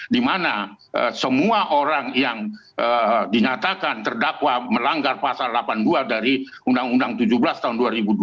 dimana semua orang yang dinyatakan terdakwa melanggar pasal delapan puluh dua dari undang undang tujuh belas tahun dua ribu dua puluh